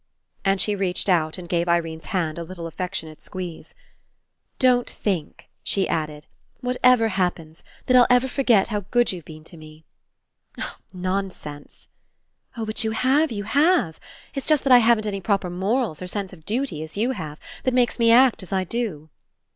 And she reached out and gave Irene's 148 RE ENCOUNTER hand an affectionate little squeeze. ^'Don't think," she added, ^Vhatever happens, that I'll ever forget how good you've been to me." "Nonsense!" "Oh, but you have, you have. It's just that I haven't any proper morals or sense of duty, as you have, that makes me act as I do."